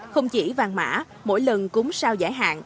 không chỉ vàng mã mỗi lần cúng sao giải hạn